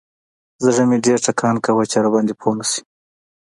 زړه مې ډېر ټکان کاوه چې راباندې پوه نسي.